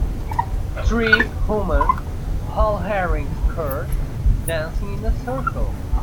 Three women, all wearing skirts, dancing in a circle.